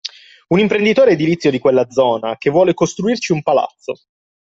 Un imprenditore edilizio di quella zona, che vuole costruirci un palazzo.